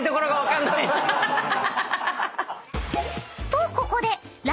［とここで］